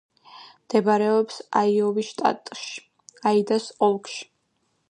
მდებარეობს აიოვის შტატში, აიდას ოლქში.